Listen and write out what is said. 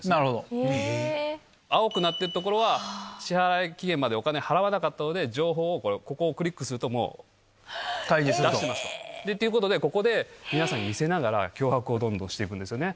青くなってるところは、支払い期限までお金払わなかったので、情報をこれ、ここをクリックすると、もう。ということで、ここで皆さんに見せながら、脅迫をどんどんしていくんですよね。